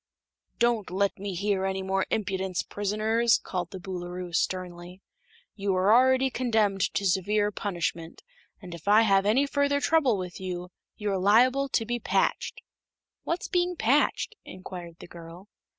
"Don't let me hear any more impudence, prisoners!" called the Boolooroo, sternly. "You are already condemned to severe punishment, and if I have any further trouble with you, you are liable to be patched." "What's being patched?" inquired the girl.